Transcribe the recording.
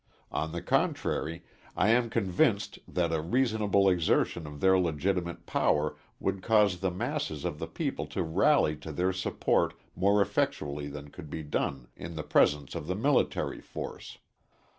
On the contrary, I am convinced that a reasonable exertion of their legitimate power would cause the masses of the people to rally to their support more effectually than could be done in the presence of the military force.